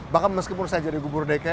bahkan meskipun saya jadi gubernur dki